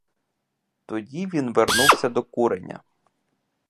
Тоді він вернувся до куреня.